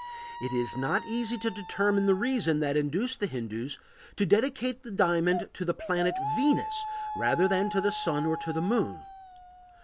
It is not easy to determine the reason that induced the Hindus to dedicate the diamond to the planet Venus rather than to the Sun or to the Moon.